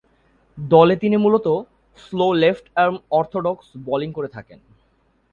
দলে তিনি মূলতঃ slow left arm orthodox bowling করে থাকেন।